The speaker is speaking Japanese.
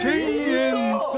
３０００円